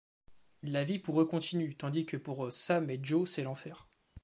La vie pour eux continue, tandis que pour Sam et Joe c'est l'enfer.